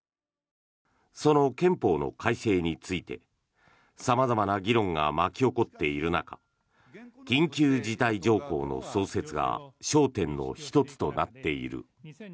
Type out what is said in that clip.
その憲法の改正について様々な議論が巻き起こっている中緊急事態条項の創設が焦点の１つとなっている。